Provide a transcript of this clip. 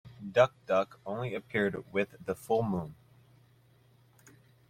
Duk-Duk only appeared with the full moon.